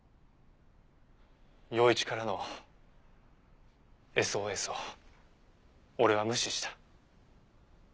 陽一からのＳＯＳを俺は無視した。